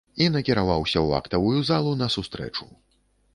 І накіраваўся ў актавую залу на сустрэчу.